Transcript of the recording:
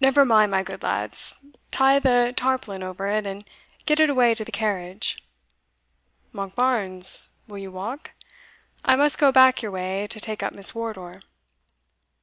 "Never mind, my good lads, tie the tarpaulin over it, and get it away to the carriage. Monkbarns, will you walk? I must go back your way to take up Miss Wardour."